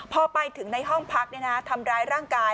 พอไปถึงในห้องพักทำร้ายร่างกาย